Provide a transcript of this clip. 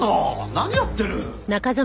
何やってる！